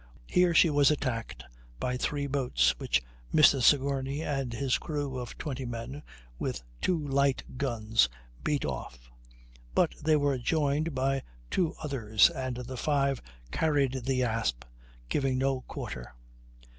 Here she was attacked by three boats, which Mr. Sigourney and his crew of twenty men, with two light guns, beat off; but they were joined by two others, and the five carried the Asp, giving no quarter.